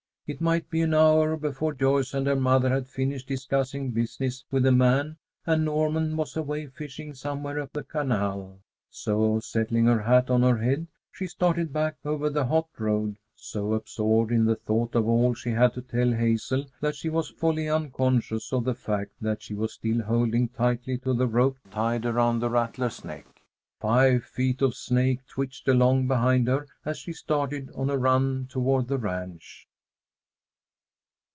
It might be an hour before Joyce and her mother had finished discussing business with the man and Norman was away fishing somewhere up the canal. So, settling her hat on her head, she started back over the hot road, so absorbed in the thought of all she had to tell Hazel that she was wholly unconscious of the fact that she was still holding tightly to the rope tied around the rattler's neck. Five feet of snake twitched along behind her as she started on a run toward the ranch.